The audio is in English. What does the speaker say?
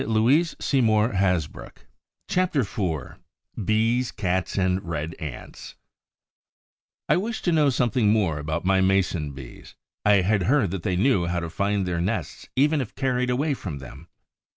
CHAPTER IV BEES, CATS AND RED ANTS I wished to know something more about my Mason bees. I had heard that they knew how to find their nests even if carried away from them.